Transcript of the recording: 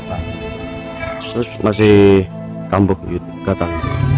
terus masih kambuk gitu gatal